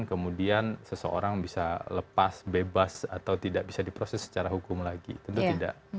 kemudian seseorang bisa lepas bebas atau tidak bisa dibatalkan